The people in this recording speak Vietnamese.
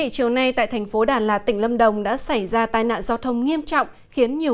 chiều nay tại thành phố đà lạt tỉnh lâm đồng đã xảy ra tai nạn giao thông nghiêm trọng khiến nhiều